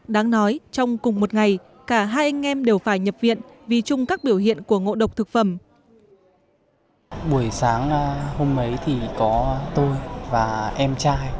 đáng nói trong cùng một ngày cả hai anh em đều phải nhập viện vì chung các biểu hiện của ngộ độc thực phẩm